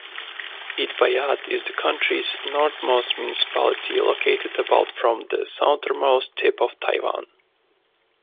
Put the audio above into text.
Itbayat is the country's northernmost municipality, located about from the southernmost tip of Taiwan.